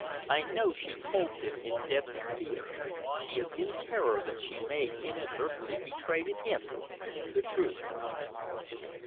I know she holds him in deadly fear she is in terror that she may inadvertently betray to him the truth!"